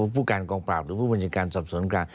ผู้การกองปราบหรือผู้บัญชาการสอบสวนกลาง